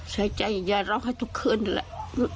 ใช้ใจยายร้องไห้ทุกคืนแหละ